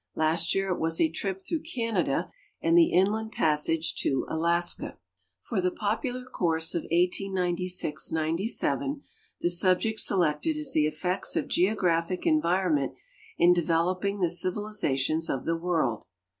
Last year it was a trip through Canada and the inland passage to Alaska. For the popular course of 189() 97 the subject selected is the effects of geographic environment in d(^>veloping the civilization of the world.